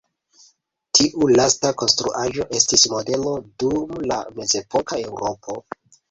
Tiu lasta konstruaĵo estis modelo dum la mezepoka Eŭropo.